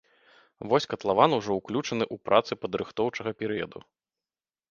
Вось катлаван ужо ўключаны ў працы падрыхтоўчага перыяду.